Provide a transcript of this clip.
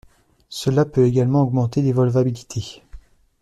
Cela peut également augmenter l'évolvabilité.